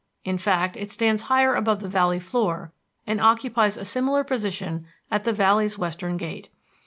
In fact, it stands higher above the valley floor and occupies a similar position at the valley's western gate.